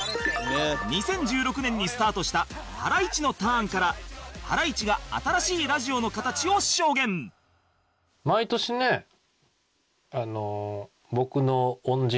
２０１６年にスタートした『ハライチのターン！』からハライチが新しいラジオの形を証言そうなの？